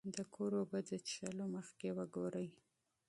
د کور اوبه د څښلو مخکې وګورئ.